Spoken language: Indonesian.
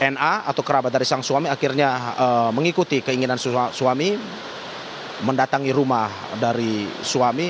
na atau kerabat dari sang suami akhirnya mengikuti keinginan suami mendatangi rumah dari suami